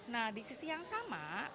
nah di sisi yang sama